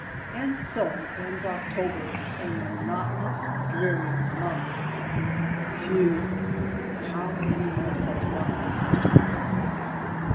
And so ends October, a monotonous, dreary month. Phew ! how many more such months